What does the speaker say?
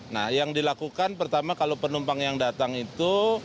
nah yang dilakukan pertama kalau penumpang yang datang itu